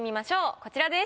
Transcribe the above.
こちらです。